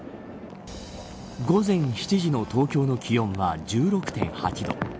午前７時の東京の気温は１６．８度。